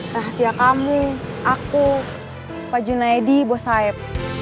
rahasia kamu aku pak junaedi bos sayap